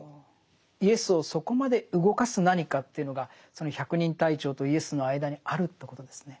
イエスをそこまで動かす何かっていうのがその百人隊長とイエスの間にあるということですね。